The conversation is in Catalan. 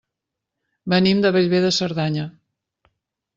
Venim de Bellver de Cerdanya.